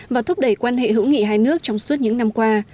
và thúc đẩy quan hệ hữu nghị hai nước trong suốt những năm qua